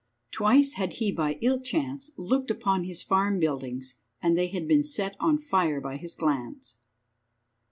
Twice had he by ill chance looked upon his farm buildings, and they had been set on fire by his glance.